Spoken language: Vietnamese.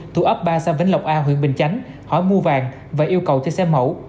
thủ ấp ba xa vĩnh lộc a huyện bình chánh hỏi mua vàng và yêu cầu theo xe mẫu